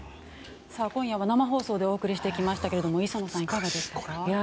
今夜は生放送でお送りしてきましたけど磯野さん、いかがでしたか？